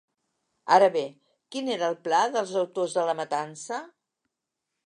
Ara bé, quin era el pla dels autors de la matança?